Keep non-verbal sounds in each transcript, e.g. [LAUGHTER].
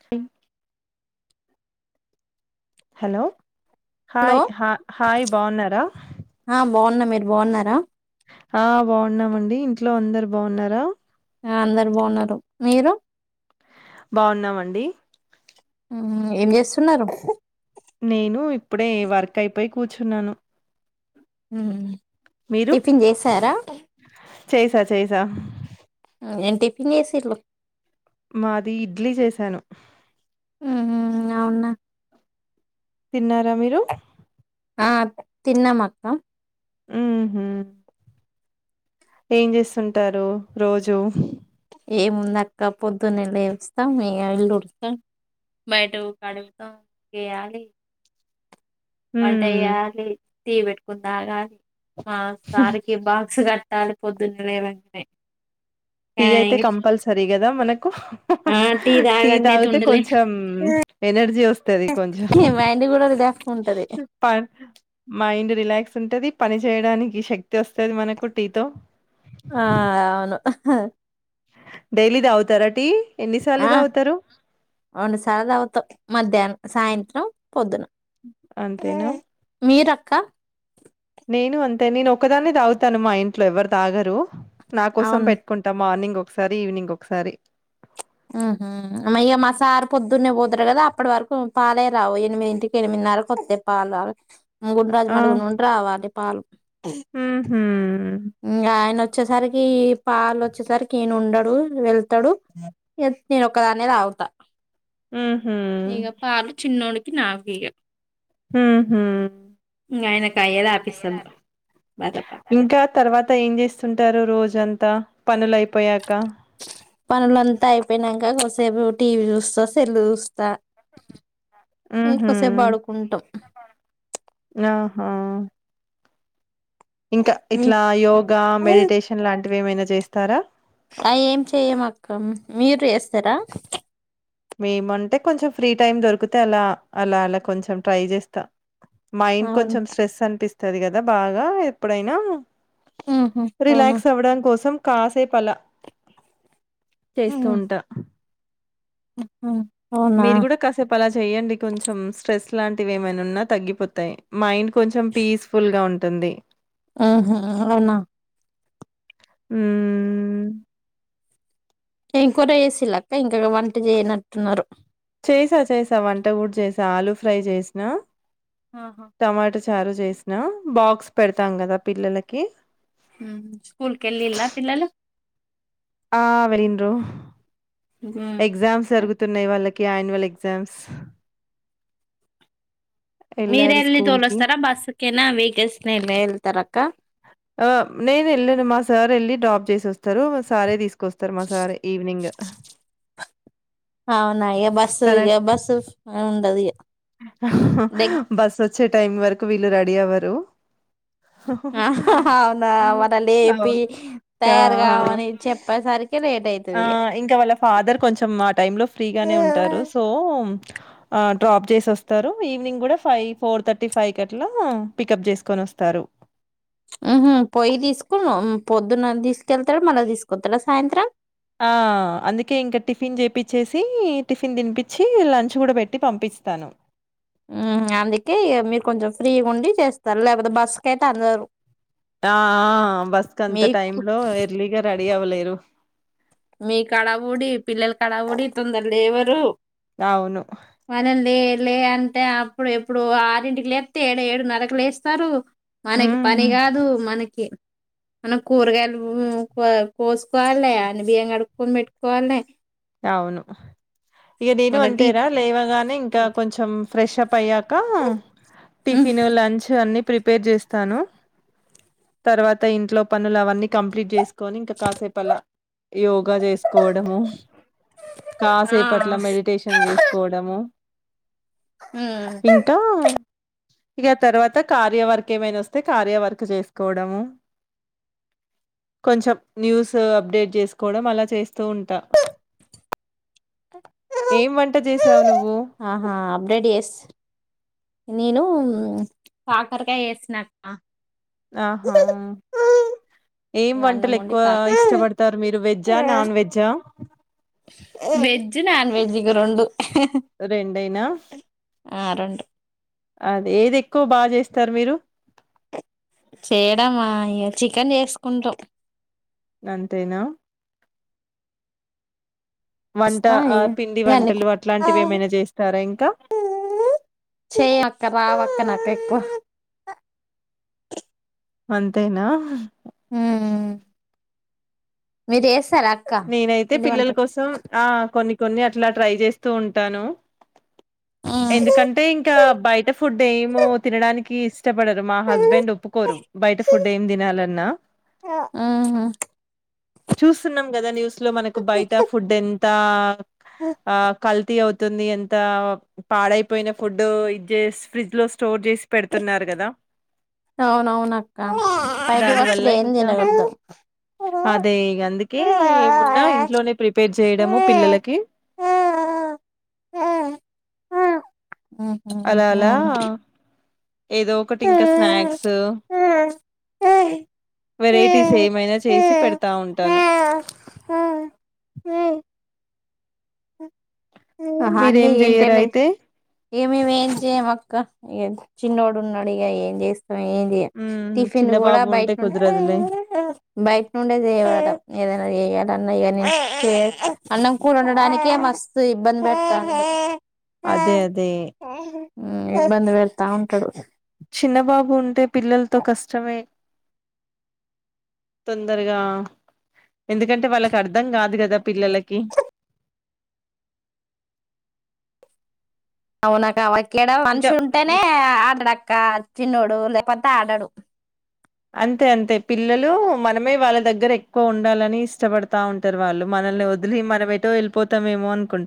తంక్ hello hi hello హ hi బాగున్నార బాగున్న మీరు బాగున్నారా ఆ బాగున్నామండి ఇంట్లో అందరు బాగున్నారా ఆ అందరు బాగున్నారు మీరు బాగున్నామండి ఊం ఏం చేస్తున్నారు నేను ఇప్పుడే వర్క్ అయిపోయి కూర్చున్నాను హు ఉ మీరు? టిఫిన్ చేసారా చేసా చేసా న్ టిఫిన్ చేసిళు మాది ఇడ్లీ చేసాను ఉహూ అవునా తిన్నారా మీరు ఆ తిన్నమక్క ఉహు ఏం చేస్తుంటారు రోజు ఏముంద అక్క పొద్దున్నే లేస్తాం ఇల్లుడుస్తాం బయటకు కడుగుతాం గేయాలి వంట హ్మ్ వయాలి టీ పెట్టుకుని తాగాలి మా సార్ కి బాక్స్ కట్ట తాళిపోద్దున లేవాలి అంటే టి అయితే కంపల్సరిగా మనక్ ఆ టీ తాగందే తాగితే తుండలే కొంచెం ఎనర్జీ వస్తది కొంచెం మైండ్ కూడా రిలాక్స్ ఉంటది మైండ్ రిలాక్స్ ఉంటది పని చేేయడానికి శక్తి వ వస్తేది మనకు టీ తో హ డైలీ తాగుతార టీ ఎన్నిసార్లు ఆ తాగుతారు రెండు సార్లు తగ్గుతాం మధ్యాహ్నం సాయంత్రం పొద్దున అంతేనా మీరక్క క్క నేను అంతే నేను ఒకక్కదాన్ని తాగుతాను మా ఇంట్లో ఎవరు తాగరు నా కోసం అవును పెట్టుకుంటా మార్నింగ్ ఒకసారి ఈవినింగ్ ఒకసారి ఉహ మైక మా సార్ పొద్దున్నే పోతారు కదా అప్పటి వరకు పాలే రావు ఎనిమిదింటికి ఎనిమిదిన్నరకి వస్తాయి పాలు ఆ గుండరాజుమండగున్ని రావాలి పాలు ఉహూ ఇంకా ఆయన వ వచ్చేసరికి పాలు వచ్చేసరికిను ఈయన ఉండడు వెళ్త తడు ఎత్ నేను ఒక్కదాన్నే తాగుతా ఆ హ ఇగ పాలు నాకు చిన్నోడికి ఇగ ఉహు ఇంగ ఆయనకు అయ్యే తాపిస్తాం బాధప్ప అంత ఏం చేస్తుంటారు రోజ అంతా పనులు అయిపోయాక పనులంతా అయిపోయినంక కోసేపు టీవీ చూస్తా సెల్లు చూస్తా ఉహూ ఇంకోసేపు బడుకుంటాం నహా ఇంకా ఇట్లా యోగా మెడిటేషన్ లాన్ టు ఏమైనా చేస్తారా అ ఏం చెయ్యమ్ అక్కమ్ మీరు చేస్తారా మేము అంటే కొంచెం ఫ్రీ టైమ్ దొరికితే అలా అలా అలా కొంచెం ట్రై చేస్తా మైండ్ అవును కొంచం స్ట్రెస్ అనిపిస్ తది గదా బాగా ఎప్పుడైనా ఉహు అవునా రిలాక్స్ అవ్వడం కోసం కాసేప్ అలా చేస్తూ ఉంటా ఉ హ్ మీరు గుడా కాసేపు అలా చెయ్య అండి కొంచెం స్ట్రెస్ అలాంటివి ఏమైనా ఉన్నా తగ్గిపోతాయి మైండ్ కొంచెం పీస్ ఫుల్ గా ఉంటుంది ఆహ అలనా ఉ ఏం కూర వేసి లక్క ఇంకా వంట చేయనట్టున్నారు చేసా చేసా వంట గూడు చేసా ఆలూ ఫ్రై చేసిన ఆహా తారు జేసిన బాక్స్ పెడతాం గదా పిల్లలకి ఉ స్కూల్ కు వెళ్లిల్ల పిల్లలు ఆ వెళ్ళిండ్రు ఉమ్. ఎగ్జామ్స్ జరుగుతున్నాయి వాళ్ళక్ కి అనువల్ ఎగ్జామ్స్ మీరు వెళ్ళారు వెళ్లి స్కూల్ కి తోలస్తారా బస్సు కేనా వీగెస్ నే మే వెళ్ళతారు అక్క ఆ నేను వెళ్ళాను మా సార్ వెళ్ళి డ్రాప్ చేసి వస్ స్తారు మా సారే తీసుకొస్తారు మా సారే ఈవనింగ్ అ అవునా ఎప్ బస్ ఇగా బస్ అన్ అది బస్ వచ్చే టైం వరకు వీళ్ళు రెడీ అవ్వరు ఆ హ హ హ అవునా హ్మ్. మరల లేపి అవును. ఆ! ఆ! తయారుగామని చెప్పేసరికి లేట్ ఆ అయితది ఇక ఇంకా వాళ్ళ ఫాదర్ కొంచెం ఆ టైమ్ లో ఫ్రీగానే ఉంటారు సో ఆ డ్రాప్ చేసి వస్తారు ఈవినింగ్ కూడా ఫైవ్ ఫోర్ థర్టీ ఫైవ్కి అట్లా పికప్ చేసుకొని వస్తారు ఉ హ్ పొయ్యి తీసుకు పొద్దున్న తీసుకెళ్తడు మళ్లా తీసుకొస్తడా సాయంత్రం ఆ అందుకే ఇంక టిఫిన్ చేపిచ్చేసి టిఫిన్ తినిపించి లంచ్ కూడా పెట్టి పంపిస్తాను ఉ అందుకే మీరు కొంచెం ఫ్రీ గ ఉండి చేస్తారు లేకపోతే బస్సుకయితే అందరు ఆ ఆ బస్ కంత మీకు టైమ్ లో ఎర్లీగా రె రెడిఅవలేరు మీ కాడా ఊడి పిల్లల కాడా ఊడి తొందర లేవరు అవును వాళ్ళని లే లే అంటే అప్పుడు ఎప్పుడు ఆరింటికి లేప్తే ఏడు ఏడు నరకు లేస్తారు మనకి పని హ్మ్. కాదు మనకి మన కూరగాయలు కోసుకోవాలి బియం కడుకొని పెట్టుకోవాలి అవును ఇక నేను మళ్ళ టీ అంతేరా లేవగానే ఇంకా కొంచెం ఫ్రెషప్ అయ్యాక క టిఫిన్, లంచ్ అన్ని ప్రిపేర్ చేస్తాను తర్వాత ఇంట్లో పనులు అవన్నీ కంప్లీట్ చేసి కొని ఇంక కాసేపు అలా యోగా చేసుకోవడము ఆ కాసేపట్లా మెడిటేషన్ చేసుకోవడము ఉమ్ ఇంకా ఇక తర్వాత కార్యవర్క్ ఏమైనా వస్తే కార్యవర్క్ చేసుకోవడము. కొంచెం న్యూస్ అప్డేట్ చేసుకోవడం అలా చేస్తూ ఉంటా. ఏం వంట చేసి సవను [UNINTELLIGIBLE] ఆహా అప్డేట్ చేసి నేను కాకర కాయ చేసిన క ఆహా ఏం ఇగ అన్నం వంటలు వండి ఎక్కువ కాక ఇష్టపడతారు మీరు వెజ్జా నాన్ వెజ్జా అ వెజ్ నాన్ వెజ్ ఇక రెండు రెండేనా? ఆ రెండు అది ఏది ఎక్కువ బాగా చేస్తారు మీరు చేయడమా ఇగ చికెన్ చేసుకుంటాం. అంతేనా వంట వస్తాయి ఆ పిండి ఇన్న వంటలు అట్లాంటివేమైనా చేస్తారా ఇంకా? చేయ్యం అక్క రావక్క నాకు ఎక్కువ అంతేనా ఊ మీరు చేస్ నేనైతే పిల్లల కోసం ఆ కొన్ని కొన్ని అట్లా ట్రై చేస్తూ ఉంటాను. ఎందుకంటే ఇంకా బయట ఫుడ్ ఏమో తినడానికి కీస్ ఇష్టపడరు మా ఉహు హస్బెండ్ ఒప్పుకోరు బయట ఫుడ్ ఏం తినాలన్నా చూస్తున్నాం కద న్యూస్ ఇంట్లో మనకు బయట ఫుడ్ ఎన్ తా ఆ కల్తీ అవుత తుంది ఎంత పాడైపోయిన ఫుడ్డు ఇజ్జేస్ ఫ్రిడ్జ్ లో స్టోర్ చేసి పెడుతున్నారు కదా అవునవునక్క బయటి దాని వల్ల వస్తువులు ఏం ఇంకా తినకూడదు ఉహు అదే ఇగ అందుక్ ఏ అవును ఏమున్నా ఇంట్లోనే ప్రిపేర్ చేయడము పిల్లలకి ఆహా! అలా అలా అవున ఏదో ఒకటి ఇంక స్నాక్స్ వేరైట్ తీసి ఏమైనా చేసి పేడత త ఉంటాను. ఆహా మీరేం అన్నీ చెయ్యరా ఏంటండి అయితే ఇగ మేం ఏం చేయం అక్క ఇగ చిన్నోడు ఉన్నాడు ఇక ఏం చేస్ ఎంది ఉమ్ టిఫిన్ చిన్న కూడా బాబు బయట ఉంటే నుంటీ కుదరదులే బయట నుండేది చేయాల ఏదైనా చేయాలన్నా ఇగ నేన్ అన్నం కూర వండడానినకే మస్త్ ఇబ్బంది పడతా అదే అదే ఊ ఇబ్బంది పెడతా వుంటడు. చిన్న బాబు ఉంటే పిల్లల్తొ కష్టమే తొందరగా ఎందుకంటే వాళ్ళకి అర్థం కాదు కదా పిల్లలకి అవునక్క అవాయిడ్ ఇక్కడ మనిషి ఇంకా ఉంటేనే ఆగడక్క చిన్నోడు లేపోతే ఆడాడు అంతే అంతే పిల్లలు మనమే వాళ్ళ దగ్గర ఎక్కువ ఉండాలని ఇష్టపడతా ఉంటారు వాళ్ళు మనల్ని వదిలి మనం ఎటో వెళ్ళిపోతామేమో అనుకుం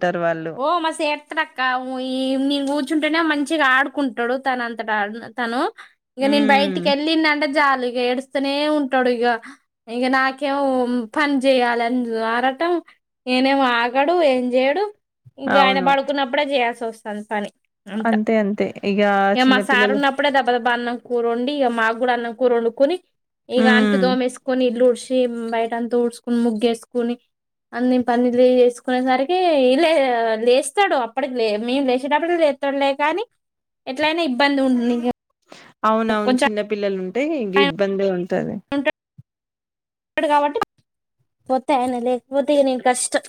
ఓ మస్తు ఏడుస్తాడు అక్క ఉ ఈ నను కూర్చుంటేనే మంచి మంచిగా ఆడుకుంటాడు తన అంతట తను ఇగ నెన్ ఉమ్ బయటికి ఎల్లింనంటే జాలు ఆఏడుస్తూనే ఉంటాడు ఇగ ఇగ నాకేమో పని చేయాలి అని ఆరటం నేనేమో ఆగడు ఏం చెయడు ఇగ ఆయన అవును పడుకున్నప్పుడే చేయాల్సి వస్ కాని పని అంత అంతే అంతే ఇక ఇగ మా చిన్న సారు పిల్లలు ఉన్నప్పుడే దబ దబ్బా అన్నం కూర వొండి ఇక మాకు కూడా అన్నం కురొండుకొని ఇగ అంటు ఉమ్ తోమేసుకొని ఇల్లు ఊడ్చి బయటంత ఊడ్చుకుని ముగ్గేసుకుని అన్ని పనిలు చేసుకునేసరికి ఇలె లేస్తాడు అప్పటికి మేము లేచేటప్పుడుకి లేస్తాడులే కానీ ఎట్లయినా ఇబ్బంది ఉం అవునవును చిన్న పిల్లలు ఉంటే ఇ ఆయన ఇబ్బందే ఉంటంది ఇప్పుడు కాబట్టి పోతున్న లేకపోతే ఈనా కష్టం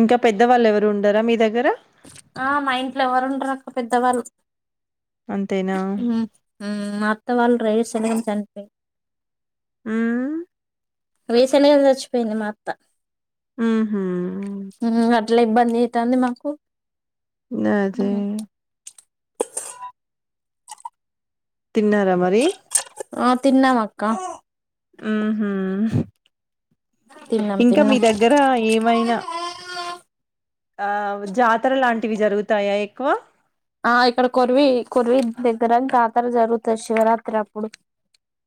ఇంకా పెద్ద వాళ్ళు ఎవరు ఉండారా మీ దగ్గర ఆ మా ఇంట్లో ఎవరు ఉండరాక పెద్దవాళ్ళు అంతేనా హుమ్ హు మత్త వాళ్ళ రేస్ తలం చనాపై [INAUDIBLE] ఆ వేసెనిగలు తెచ్చిపోయింది మా అత్త హుమ్మ్ హు ఇట్లా ఇబ్బంది అయితుంది మాకు నాదే తిన్నారా మరి ఆ తిన్నామ అక్క హ్మ్మ్ హా తిన్నాం ఇంకా మీ తిన్నాం దగ్గర ఏమైనా ఆ జాతర లాంటివి జరుగుతాయా ఎక్కువ ఆ ఇక్కడ కొరివి కురివి దగ్గరనికి ఖతర జరుగుతుంది శివరాత్రి అప్పుడు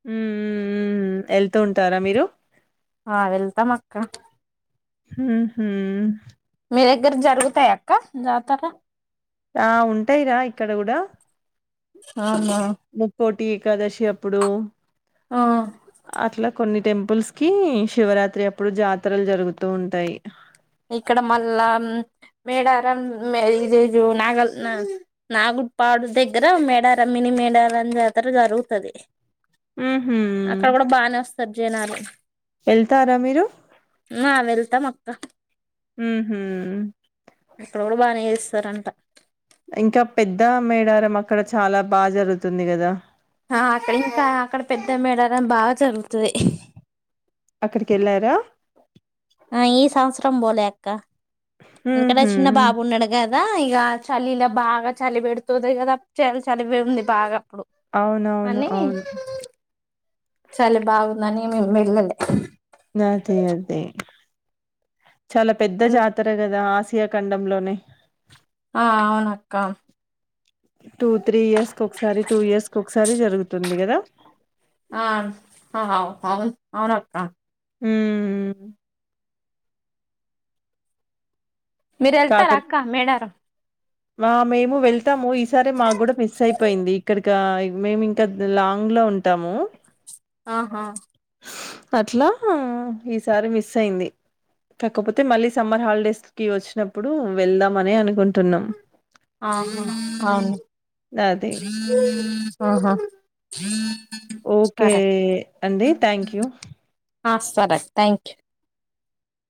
హమ్మ్ హమ్ ఉంటారా మీరు ఆ వెళ్తాం అక్క హ్మ్మ్ హు ఇక్కడ జరుగుతాయా అక్క జాతర ఆ ఉంటాయిరా ఇక్కడ కూడా అ మా ఏకాదశి ఎప్పుడు ఆ అట్లా కు కొన్ని టెంపుల్స్ కి శివరాత్రి అప్పుడు జాతరలు జరుగుతూ ఉంటాయి. ఇక్కడ మళ్ళా మేడారం మే ఇది నాగల్ నా నాగుపాడు దగ్గర మేడార మినీ మేడారం జాతర జరుగుతది ఉహు అక్కడ కూడా బానే వస్తారు జనాలు వెళ్తారా మీరు నా వెళ్తాం అక్క ఉహు ఇక్కడ కూడా బానే చేస్తారంట ఇంకా పెద్ద మేడారం అక్కడ చాలా బాగా జరుగుతుంది కదా ఆ అక్కడ ఇంకా అక్కడ పెద్ద మేడారం బాగా జరుగుతుంది. అక్కడికి వెళ్ళారా ఆ ఈ సంవత్సరం రం బోలే అక్క అందుకనే హుహు. చిన్న బాబు ఉన్నాడు గాద కదా ఇక చలి ఇలా బాగా చలి పెడుతుంది కదా చలి చలి ఉంది బాగా అప్పుడు అవునవును అవును చలి బాగుంది అని మేం వెళ్ళలే నాది అంతే చాలా పెద్ద జాతర కదా ఆ ఇగ ఖండంలోనే ఆ అవునక్క టూ త్రీ ఇయర్స్ క ఒకసారి టూ ఇయర్స్ క ఒకసారి జరుగుతుంది కదా ఆవు అవును అవునుఅక్క హు మీరు వెళ్తారా అక్క మేడారం మా మేము వెళ్తాము ఈసారే మాకు కూడా మిస్ అయిపోయింది ఇక్కడికి మేము ఇంకా లాంగ్ లో ఉంటాము. ఆహా అట్లా ఈసారి మిస్ అయింది కాకపోతే మళ్ళీ సమ్మర్ హాలిడేస్ కి వచ్చినప్పుడు అప్పుడు వెళ్దామని అనుకుంటున్నాం. ఆహ అవును అదే ఆహా ఓకే సరే అండి థ్యాంక్ యూ ఆ సరే థ్యాంక్ యూ